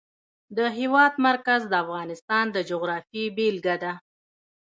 د هېواد مرکز د افغانستان د جغرافیې بېلګه ده.